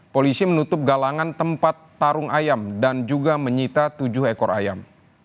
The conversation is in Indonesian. polisi menutup galangan tempat tarung ayam dan juga menyita tujuh ekor ayam